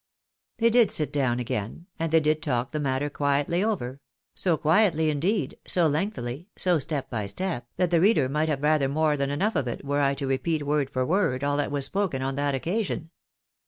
They did sit down again, and they did talk the matter quietly over; so quietly indeed, so lengthily, so step by step, that the reader might have rather more than enough of it, were I to repeat word for word all that was spoken on that occasion.